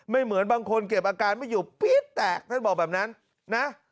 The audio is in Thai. เหมือนบางคนเก็บอาการไม่อยู่ปี๊ดแตกท่านบอกแบบนั้นนะ